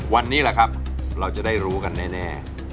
วันนี้แหละครับเราจะได้รู้กันแน่